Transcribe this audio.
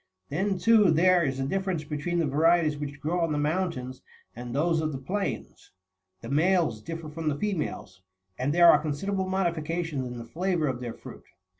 Then, too, there is a difference between the varieties which grow on the moun tains and those of the plains; the males differ from the females, and there are considerable modifications in the flavour of their fruit.